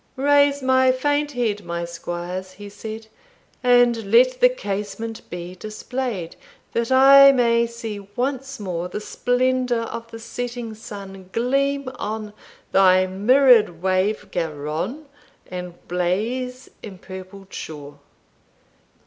"'Raise my faint head, my squires,' he said, 'And let the casement be display'd, That I may see once more The splendour of the setting sun Gleam on thy mirrored wave, Garonne, And Blaye's empurpled shore.